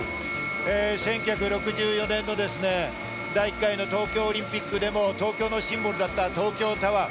１９６４年の第１回の東京オリンピックでも東京のシンボルだった東京タワー。